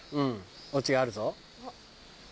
オチがあるぞ。